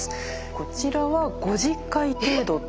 こちらは５０回程度と。